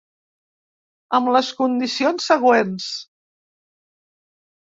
Amb les condicions següents.